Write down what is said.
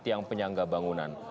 siang penyangga bangunan